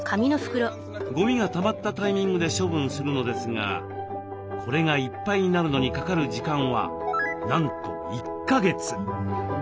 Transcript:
ゴミがたまったタイミングで処分するのですがこれがいっぱいになるのにかかる時間はなんと１か月。